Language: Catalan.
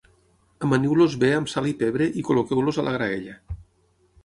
Amaniu-los bé amb sal i pebre i col·loqueu-los a la graella.